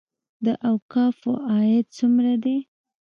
د اوقافو عاید څومره دی؟